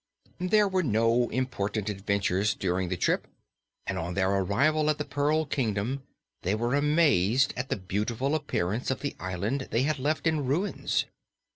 There were no important adventures during the trip and on their arrival at the pearl kingdom they were amazed at the beautiful appearance of the island they had left in ruins.